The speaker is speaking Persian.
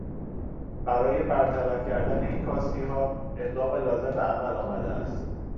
برای برطرف کردن این کاستیها اقدام لازم به عمل آمده است.